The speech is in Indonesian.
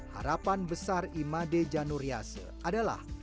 harapan besar imade januriase adalah